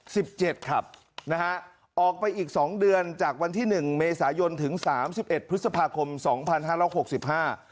สิบเจ็ดขับนะฮะออกไปอีกสองเดือนจากวันที่หนึ่งเมษายนถึงสามสิบเอ็ดพฤษภาคมสองพันห้าร้อยหกสิบห้า